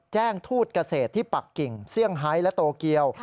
แจ้งทูตกเศษที่ปักกิ่งเซี่ยงไฮท์และโตเกียว